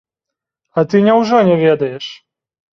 А ты няўжо не ведаеш?